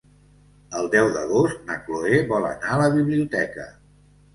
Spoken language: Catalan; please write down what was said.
El deu d'agost na Chloé vol anar a la biblioteca.